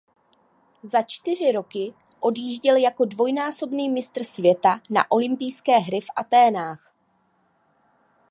Za čtyři roky odjížděl jako dvojnásobný mistr světa na olympijské hry v Athénách.